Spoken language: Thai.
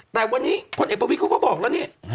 แต่วันนี้พลเอกประวิทย์เขาก็บอกแล้วนี่